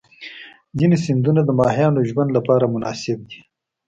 ځینې سیندونه د ماهیانو ژوند لپاره مناسب دي.